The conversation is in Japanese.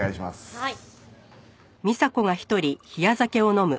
はい。